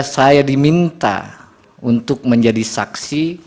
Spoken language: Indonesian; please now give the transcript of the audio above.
saya diminta untuk menjadi saksi